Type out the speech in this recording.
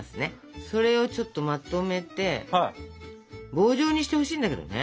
棒状にしてほしいんだけどね。